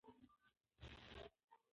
دی د سیند په غاړه د بېلتون شکایت کوي.